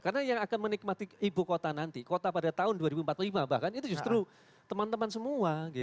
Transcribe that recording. karena yang akan menikmati ibu kota nanti kota pada tahun dua ribu empat puluh lima bahkan itu justru teman teman semua gitu